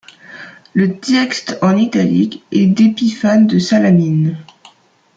Le texte en italique est d'Épiphane de Salamine.